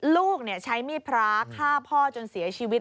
ลูกใช้มีดพระฆ่าพ่อจนเสียชีวิต